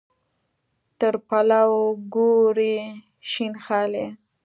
تر پلو ګوري شین خالۍ.